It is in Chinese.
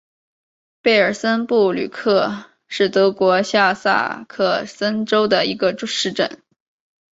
贝尔森布吕克是德国下萨克森州的一个市镇。